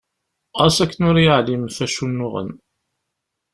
Ɣas akken ur yeɛlim ɣef wacu i nnuɣen.